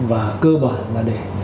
và cơ bản là để